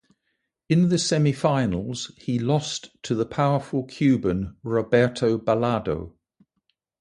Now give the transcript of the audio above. In the semifinals he lost to the powerful Cuban Roberto Balado.